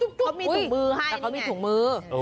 เขามีถุงมือให้